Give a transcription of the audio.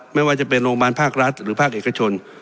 ไม่ว่าจะเป็นโรงพยาบาลภาครัฐหรือภาคเอกชน